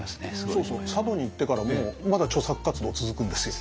そうそう佐渡に行ってからもまだ著作活動続くんですよ。